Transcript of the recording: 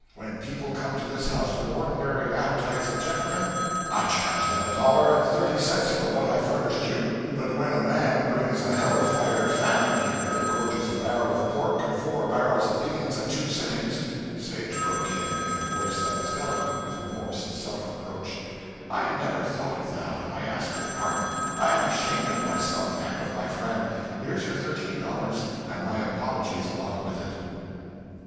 When people come to this house with the ordinary appetites of gentlemen, I charge them a dollar and thirty cents for what I furnished you; but when a man brings a hell fired Famine here that gorges a barrel of pork and four barrels of beans at two sittings " Sage broke in, in a voice that was eloquent with remorse and self reproach, "I never thought of that, and I ask your pardon; I am ashamed of myself and of my friend. Here's your thirteen dollars, and my apologies along with it."